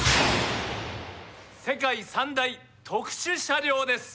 「世界三大特殊車両」です。